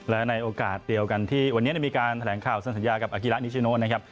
และในโอกาสเดียวกันที่วันนี้มีการแถลงข่าวเซ็นสัญญากับอากิระนิชโนนะครับ